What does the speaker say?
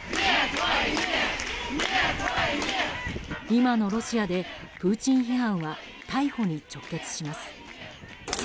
今のロシアで、プーチン批判は逮捕に直結します。